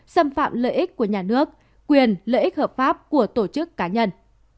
xâm phạm lợi ích của nhà nước quyền lợi ích hợp pháp của tổ chức cá nhân